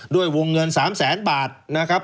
ด้วยวงเงิน๓แสนบาทนะครับ